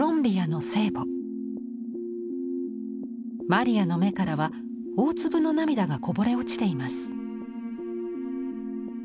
マリアの目からは大粒の涙がこぼれ落ちています。